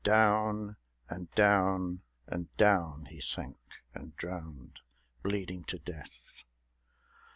Down, and down, and down, he sank and drowned, Bleeding to death.